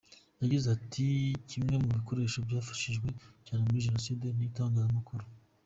Yagize ati “Kimwe mu bikoresho byifashishijwe cyane muri Jenoside ni itangazamakuru.